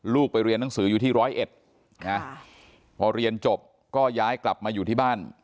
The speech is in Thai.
ไปเรียนหนังสืออยู่ที่ร้อยเอ็ดนะพอเรียนจบก็ย้ายกลับมาอยู่ที่บ้าน